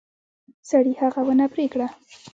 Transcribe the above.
سړي هغه ونه پرې کړه.